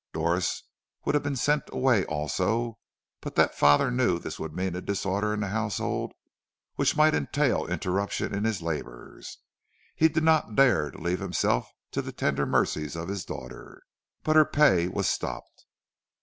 Doris would have been sent away also, but that father knew this would mean a disorder in the household which might entail interruption in his labors. He did not dare to leave himself to the tender mercies of his daughters. But her pay was stopped.